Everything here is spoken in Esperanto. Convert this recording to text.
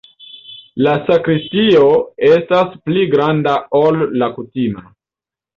La sakristio estas pli granda, ol la kutima.